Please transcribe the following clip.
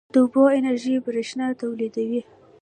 د اوبو انرژي برښنا تولیدوي